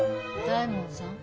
大門さん。